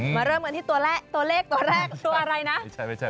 เริ่มกันที่ตัวเลขตัวเลขตัวแรกตัวอะไรนะ